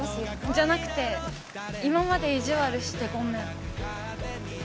じゃなくて今まで意地悪してごめん。